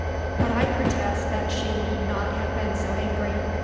But I protest that she need not have been so angry.